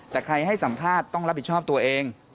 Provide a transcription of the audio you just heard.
แต่ใครให้สัมภาษณ์ต้องรับผิดชอบตัวเอง